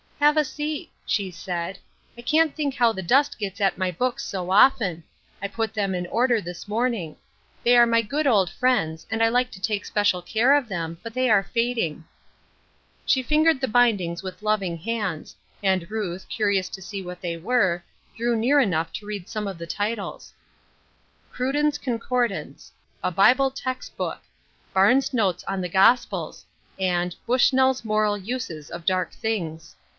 Have a seat," she said ;" I can't think how the dust gets at my books so often ; I put them in order this morning. They are my good old friends, and I like to take special care of them, but they are fading." She fingered the bindings with loving hands, and Ruth, curious to see what they were, drew near enough to read some of the titles, " Cruden's Finding One's Calling, 123 Concordance," " A Bible Text Book," " Barnes Notes on the Gospels," and " BushnelFs Moral Uses of Dark Things."